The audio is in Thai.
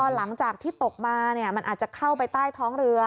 หลังจากที่ตกมามันอาจจะเข้าไปใต้ท้องเรือ